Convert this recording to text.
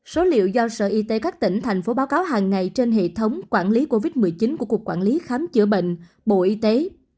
số liệu do sở y tế các tỉnh thành phố báo cáo hàng ngày trên hệ thống quản lý covid một mươi chín của cục quản lý khám chữa bệnh bộ y tế